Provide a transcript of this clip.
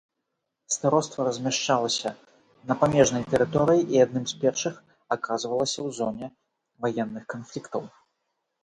Староства размяшчалася на памежнай тэрыторыі і адным з першых аказвалася ў зоне ваенных канфліктаў.